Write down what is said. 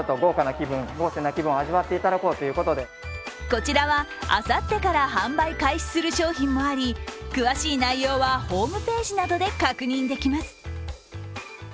こちらは、あさってから販売開始する商品もあり詳しい内容はホームページなどで確認できます。